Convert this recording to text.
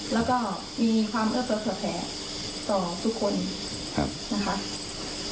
แล้วก็มีความเอื้อเผลอแผลต่อทุกคนนะครับ